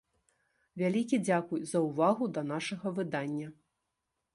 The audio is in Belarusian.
Вялікі дзякуй за ўвагу да нашага выдання.